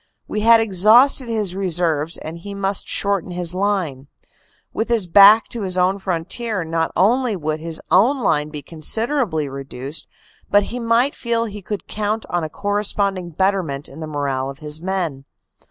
We had exhausted his reserves and he must shorten his line. With his back to his own frontier not only would his own line be considerably reduced but he might feel he could count on a corresponding betterment in the morale of his men.